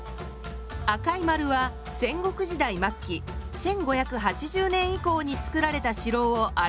赤い○は戦国時代末期１５８０年以降につくられた城を表しています。